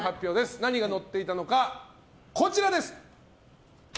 何がのっていたのか、こちらです。